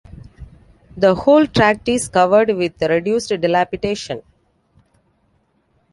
The whole tract is covered with reduced dilapidation.